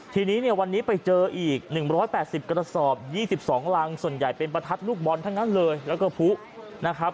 ทีนี้เนี่ยวันนี้ไปเจออีก๑๘๐กระสอบ๒๒รังส่วนใหญ่เป็นประทัดลูกบอลทั้งนั้นเลยแล้วก็ผู้นะครับ